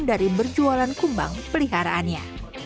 dari berjualan kumbang peliharaannya